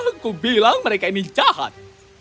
aku bilang mereka ini jahat